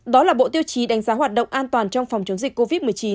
đó là bộ tiêu chí đánh giá hoạt động an toàn trong phòng chống dịch covid một mươi chín